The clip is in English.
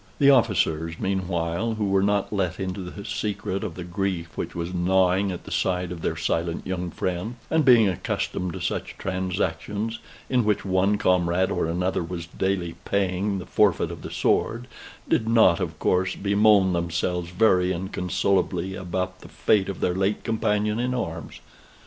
The officers, meanwhile, who were not let into the secret of the grief which was gnawing at the side of their silent young friend, and being accustomed to such transactions, in which one comrade or another was daily paying the forfeit of the sword, did not, of course, bemoan themselves very inconsolably about the fate of their late companion in arms.